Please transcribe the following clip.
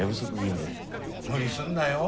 無理すんなよ。